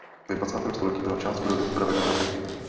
Ve dvacátém století byla část budovy upravena na byty.